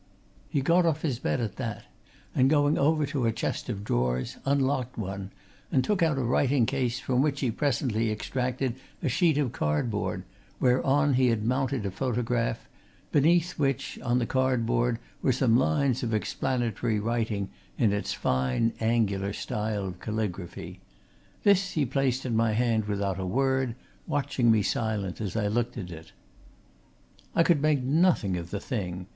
He got off his bed at that, and going over to a chest of drawers, unlocked one, and took out a writing case, from which he presently extracted a sheet of cardboard, whereon he had mounted a photograph, beneath which, on the cardboard, were some lines of explanatory writing in its fine, angular style of caligraphy. This he placed in my hand without a word, watching me silently as I looked at it. I could make nothing of the thing.